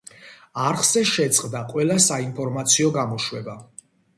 არხზე შეწყდა ყველა საინფორმაციო გამოშვება.